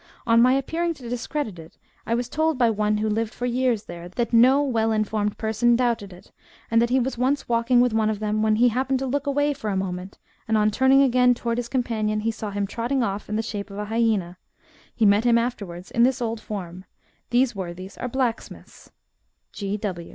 On my appearing to discredit it, I was told by one who lived for years there, that no well informed person doubted it, and that he was once walking with one of them, when he happened to look away for a moment, and on turning again towards his companion, he saw him trotting off in the shape of a hyaena. He met him afterwards in his old form. These worthies are blacksmiths.